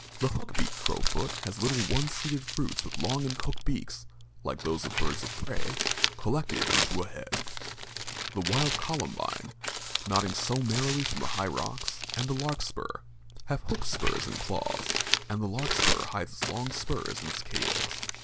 The hook beaked crowfoot has little one seeded fruits with long and hooked beaks, like those of birds of prey, collected into a head. The wild columbine, nodding so merrily from the high rocks, and the larkspur, have hooked spurs and claws and the larkspur hides its long spurs in its calyx.